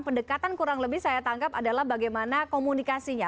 pendekatan kurang lebih saya tangkap adalah bagaimana komunikasinya